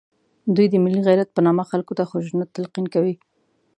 دوی د ملي غیرت په نامه خلکو ته خشونت تلقین کوي